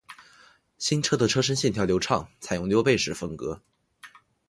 新车的车身线条流畅，采用溜背式风格